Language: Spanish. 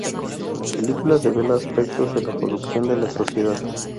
La película devela aspectos de la corrupción de la sociedad.